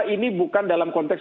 ini bukan dalam konteks